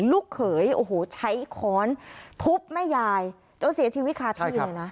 ลูกเขยโอ้โหใช้ค้อนทุบแม่ยายจนเสียชีวิตคาที่เลยนะ